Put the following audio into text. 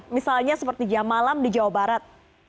misalnya seperti jam malam di jawa barat